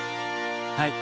はい。